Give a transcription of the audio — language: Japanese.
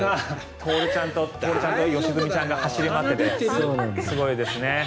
徹ちゃんと良純ちゃんが走り回っていてすごいですね。